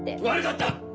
悪かった！